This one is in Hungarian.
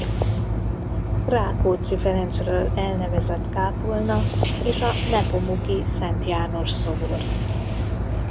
Rákóczi Ferencről elnevezett kápolna és a Nepomuki Szent János szobor.